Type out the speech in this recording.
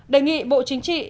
đề nghị bộ chính trị